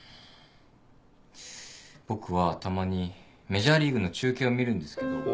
僕はたまにメジャーリーグの中継を見るんですけど。